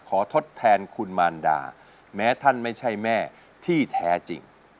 ทดแทนคุณมารดาแม้ท่านไม่ใช่แม่ที่แท้จริง